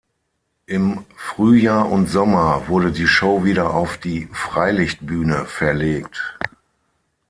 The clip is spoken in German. Im Frühjahr und Sommer wurde die Show wieder auf die Freilichtbühne verlegt.